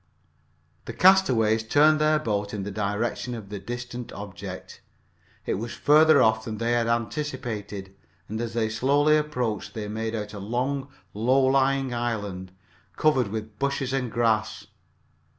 The castaways turned their boat in the direction of the distant object. It was further off than they had anticipated, and as they slowly approached they made out a long, low lying island, covered with bushes and grass.